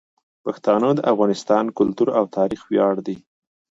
پښتانه د افغانستان د کلتور او تاریخ ویاړ دي.